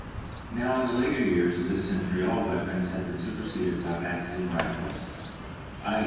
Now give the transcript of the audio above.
Now in the latter years of the century all these weapons have been superseded by magazine rifles, _i.